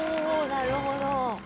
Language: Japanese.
なるほど。